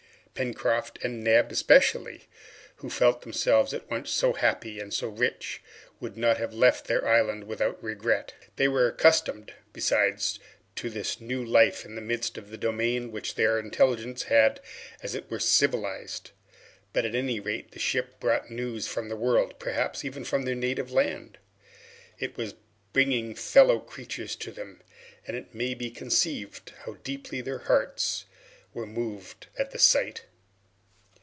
Pencroft and Neb, especially, who felt themselves at once so happy and so rich, would not have left their island without regret. They were accustomed, besides, to this new life in the midst of the domain which their intelligence had as it were civilized. But at any rate this ship brought news from the world, perhaps even from their native land. It was bringing fellow creatures to them, and it may be conceived how deeply their hearts were moved at the sight!